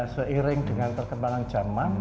seiring dengan perkembangan zaman